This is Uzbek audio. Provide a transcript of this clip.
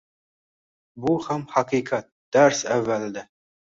Bu ham haqiqat. Dars avvalida